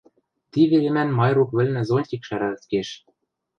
Ти веремӓн Майрук вӹлнӹ зонтик шӓрӓлт кеш...